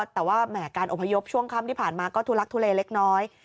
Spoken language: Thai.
แต่ว่าแหมการอพยพช่วงค่ำที่ผ่านมาก็ทุลักทุเลเล็กน้อย